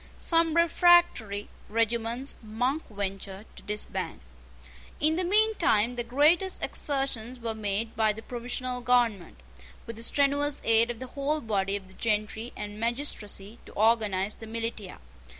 Some refractory regiments Monk ventured to disband. In the mean time the greatest exertions were made by the provisional government, with the strenuous aid of the whole body of the gentry and magistracy, to organise the militia.